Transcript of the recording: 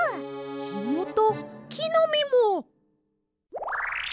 ひもときのみも！